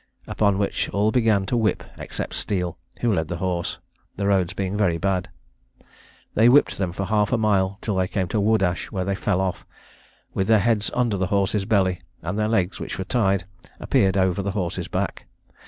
upon which, all began to whip except Steele, who led the horse, the roads being very bad. They whipped them for half a mile, till they came to Woodash, where they fell off, with their heads under the horse's belly; and their legs, which were tied, appeared over the horse's back.